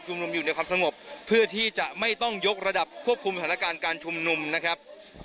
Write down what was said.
นุมอยู่ในความสงบเพื่อที่จะไม่ต้องยกระดับควบคุมสถานการณ์การชุมนุมนะครับ